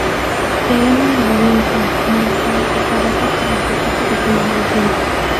Se une a Valencia, Maracay y Caracas por la Autopista Regional del Centro.